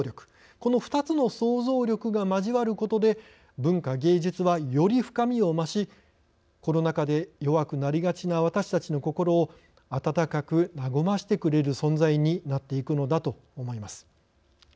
この２つのソウゾウ力が交わることで文化芸術は、より深みを増しコロナ禍で弱くなりがちな私たちの心を温かく和ませてくれる存在になっていくのだと思います。